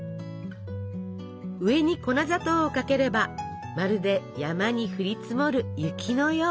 上に粉砂糖をかければまるで山に降り積もる雪のよう。